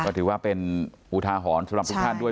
ก็ถือว่าเป็นอุทาหรณ์สำหรับทุกท่านด้วย